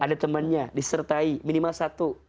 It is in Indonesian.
ada temannya disertai minimal satu